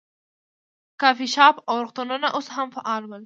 کافې شاپ او روغتونونه اوس هم فعال ول.